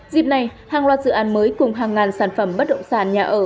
dịp này hàng loạt dự án mới cùng hàng ngàn sản phẩm bất động sản nhà ở